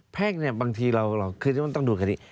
แพ่งเนี่ยบางทีเราคือจะต้องดูคดี